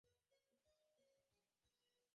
ওর পায়ে একটি গভীর ক্ষত আছে।